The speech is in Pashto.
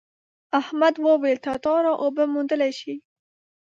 احمد وویل تتارا اوبه موندلی شي.